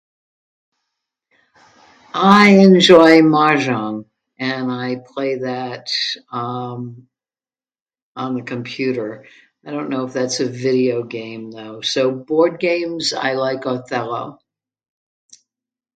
I enjoy mahjong and I play that um on the computer. I don't know if that's a video game though. So board games, I like Othello